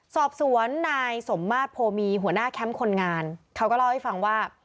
สอบสวนนายสมมาตรโพมีหัวหน้าแคมป์คนงานเขาก็เล่าให้ฟังว่า